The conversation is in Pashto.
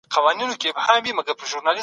که هغه څېړنه کړې وای نو نن به بریالی و.